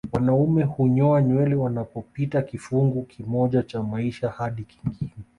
Wanaume hunyoa nywele wanapopita kifungu kimoja cha maisha hadi kingine